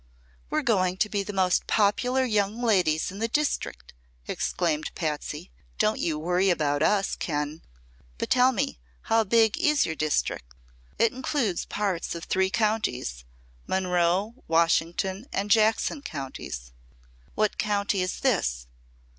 "We're going to be the most popular young ladies in this district!" exclaimed Patsy. "Don't you worry about us, Ken. But tell me, how big is your district?" "It includes parts of three counties Monroe, Washington and Jackson Counties." "What county is this?"